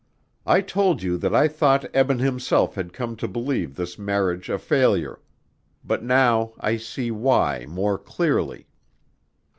I told you that I thought Eben himself had come to believe this marriage a failure. But now I see why more clearly.